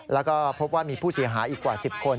แล้วก็พบว่ามีผู้เสียหายอีกกว่า๑๐คน